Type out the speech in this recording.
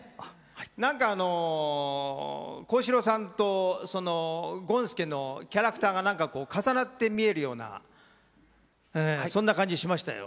何かあの好志朗さんとその権助のキャラクターが何かこう重なって見えるようなうんそんな感じしましたよ。